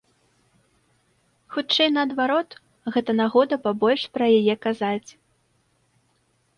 Хутчэй, наадварот, гэта нагода пабольш пра яе казаць.